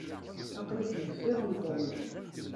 Aql-ik deffir n Tom.